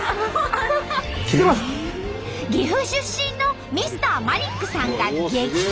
岐阜出身のＭｒ．マリックさんが激突！